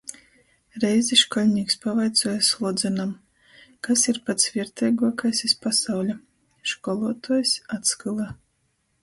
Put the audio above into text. Reizi škoļnīks pavaicuoja Sodzanam. Kas ir pats vierteiguokais iz pasauļa? Školuotuojs atskyla.